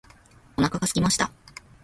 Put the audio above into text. お腹がすきました。